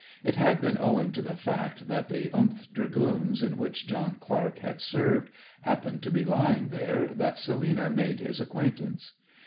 It had been owing to the fact that the th Dragoons, in which John Clark had served, happened to be lying there that Selina made his acquaintance.